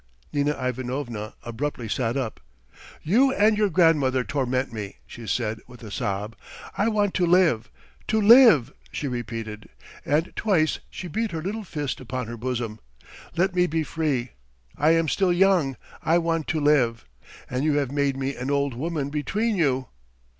Nina Ivanovna abruptly sat up. "You and your grandmother torment me," she said with a sob. "I want to live! to live," she repeated, and twice she beat her little fist upon her bosom. "Let me be free! I am still young, I want to live, and you have made me an old woman between you!"